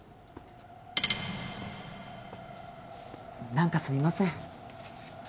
なんかすみません。